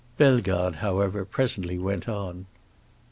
Bellegarde, however, presently went on.